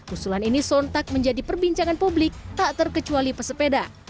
usulan ini sontak menjadi perbincangan publik tak terkecuali pesepeda